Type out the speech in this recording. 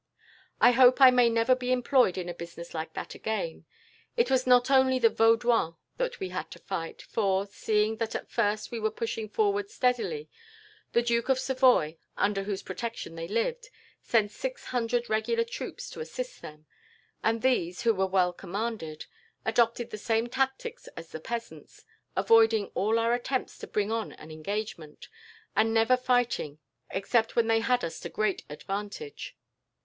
"I hope I may never be employed in a business like that again. It was not only the Vaudois that we had to fight, for, seeing that at first we were pushing forward steadily, the Duke of Savoy, under whose protection they lived, sent six hundred regular troops to assist them, and these, who were well commanded, adopted the same tactics as the peasants, avoiding all our attempts to bring on an engagement, and never fighting except when they had us to great advantage.